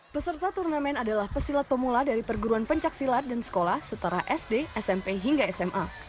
peserta turnamen adalah pesilat pemula dari perguruan pencaksilat dan sekolah setara sd smp hingga sma